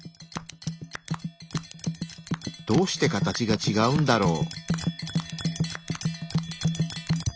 どうして形がちがうんだろう？